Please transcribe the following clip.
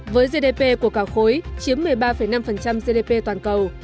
với gdp của cả khối chiếm một mươi ba năm gdp toàn cầu